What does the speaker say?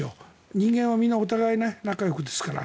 人間は皆、お互いに仲よくですから。